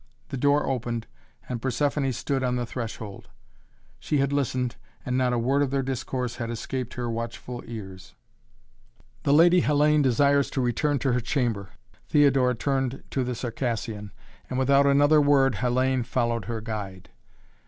The door opened and Persephoné stood on the threshold. She had listened, and not a word of their discourse had escaped her watchful ears. "The Lady Hellayne desires to return to her chamber," Theodora turned to the Circassian, and without another word Hellayne followed her guide.